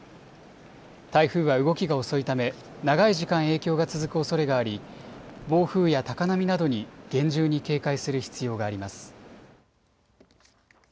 台風は動きが遅いため長い時間、影響が続くおそれがあり暴風や高波などに厳重に警戒する必要があります。